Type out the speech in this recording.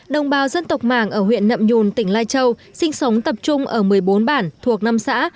đồng bào dân tộc mảng ở huyện nậm nhùn tỉnh lai châu sinh sống tập trung ở một mươi bốn bản thuộc năm xã